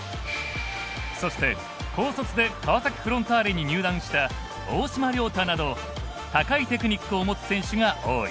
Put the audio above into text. そして高卒で川崎フロンターレに入団した大島僚太など高いテクニックを持つ選手が多い。